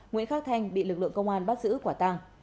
nguyễn khắc thanh bị lực lượng công an bắt giữ quả tàng